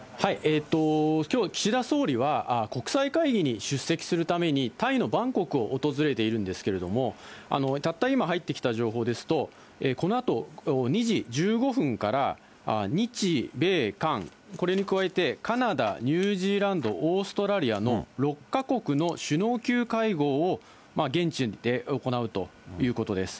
きょう、岸田総理は国際会議に出席するために、タイのバンコクを訪れているんですけれども、たった今入ってきた情報ですと、このあと２時１５分から日米韓、これに加えて、カナダ、ニュージーランド、オーストラリアの６か国の首脳級会合を現地で行うということです。